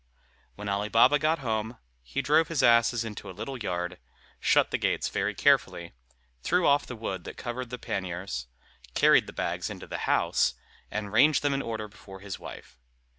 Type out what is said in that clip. When Ali Baba got home, he drove his asses into a little yard, shut the gates very carefully, threw off the wood that covered the panniers, carried the bags into the house, and ranged them in order before his wife.